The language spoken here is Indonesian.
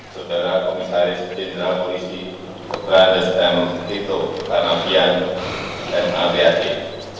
saudara komisaris general polisi beradestem tito tanabian dan mabiatin